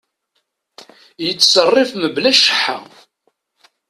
Yettserrif mebla cceḥḥa.